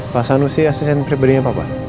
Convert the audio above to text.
pak sanusi asesan pribadi nya papa